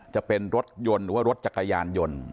จะเป็นรถยนต์หรือว่ารถจักรยานยนต์